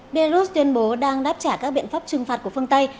belarus tuyên bố đang đáp trả các biện pháp trừng phạt của phương tây